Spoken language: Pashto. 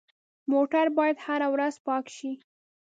موټر باید هره ورځ پاک شي.